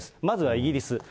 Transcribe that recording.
まずはイギリス。